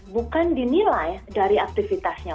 bukan dinilai dari aktivitasnya